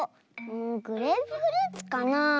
グレープフルーツかな？